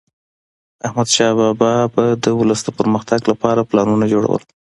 احمدشاه بابا به د ولس د پرمختګ لپاره پلانونه جوړول.